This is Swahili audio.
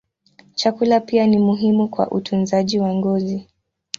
Chakula pia ni muhimu kwa utunzaji wa ngozi.